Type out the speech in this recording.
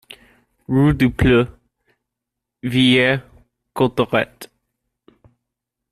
Rue du Pleu, Villers-Cotterêts